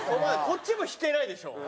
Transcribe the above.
こっちも引けないでしょ。